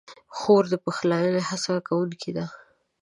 خور د پخلاینې هڅه کوونکې ده.